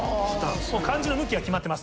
漢字の向きは決まってます。